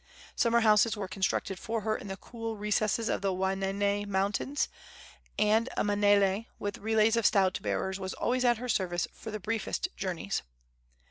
Summer houses were constructed for her in the cool recesses of the Waianae Mountains, and a manele, with relays of stout bearers, was always at her service for the briefest journeys.